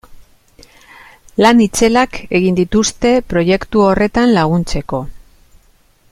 Lan itzelak egin dituzte proiektu horretan laguntzeko.